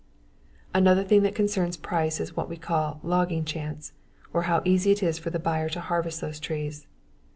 Another thing that concerns price is what we call "logging chance" or how easy is it for the buyer to harvest those trees.